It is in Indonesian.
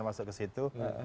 masuk ke situ